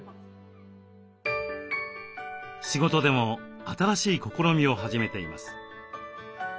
仕事でも新しい試みを始めています。